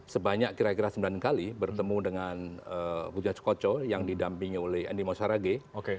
sebanyak kira kira sembilan kali bertemu dengan budi soenis koco yang didampingi oleh eni maulwini saraghe